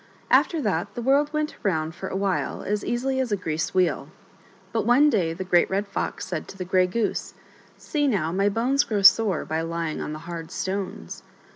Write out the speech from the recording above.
After that the world went around for a while as easily as a greased wheel. But ope day the Great Red Fox said to the Grey Goose :" See now, my bones grow sore by lying on the hard stones."